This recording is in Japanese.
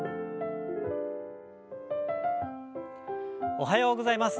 おはようございます。